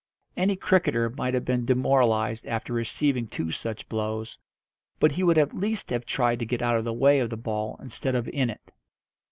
Any cricketer might have been demoralised after receiving two such blows, but he would at least have tried to get out of the way of the ball instead of in it.